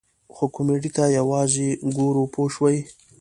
خو کمیډۍ ته یوازې ګورو پوه شوې!.